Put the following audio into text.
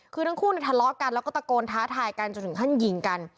คือทั้งคู่เนี่ยทะเลาะกันแล้วก็ตะโกนท้าทายกันจนถึงขั้นยิงกัน